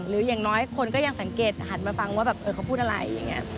หรืออย่างน้อยคนก็ยังสังเกตหันมาฟังว่าเขาพูดอะไร